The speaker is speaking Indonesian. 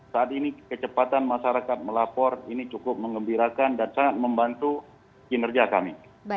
saat ini kecepatan masyarakat melapor ini cukup mengembirakan dan sangat membantu kinerja kami